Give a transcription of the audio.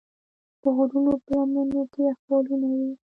د غرونو په لمنو کې یخچالونه وي.